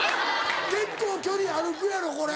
結構距離歩くやろこれ。